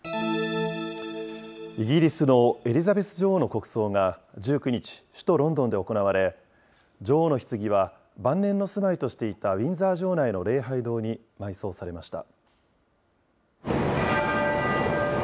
イギリスのエリザベス女王の国葬が１９日、首都ロンドンで行われ、女王のひつぎは、晩年の住まいとしていたウィンザー城内の礼拝堂に埋葬されました。